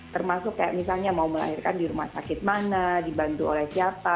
termasuk kayak misalnya mau melahirkan di rumah sakit mana dibantu oleh siapa